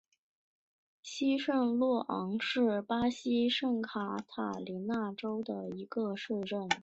西圣若昂是巴西圣卡塔琳娜州的一个市镇。